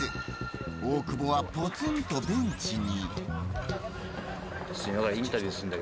大久保はポツンとベンチに。